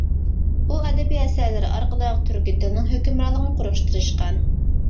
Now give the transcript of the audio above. ئۇ ئەدەبىي ئەسەرلىرى ئارقىلىق تۈركىي تىلنىڭ ھۆكۈمرانلىقىنى قۇرۇشقا تىرىشقان.